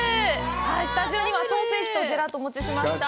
スタジオには、ソーセージとジェラートをお持ちしました。